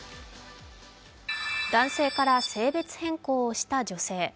男性から性別変更した女性。